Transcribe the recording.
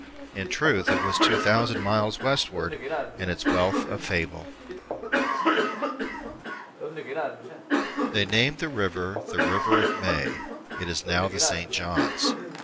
In truth, it was two thousand miles westward, and its wealth a fable. They named the river the River of May. It is now the St. John's.